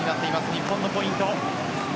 日本のポイント。